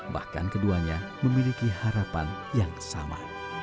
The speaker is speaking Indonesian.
bahkan keduanya memiliki harapan yang sama